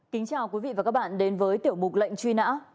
kính chào quý vị và các bạn đến với tiểu mục lệnh truy nã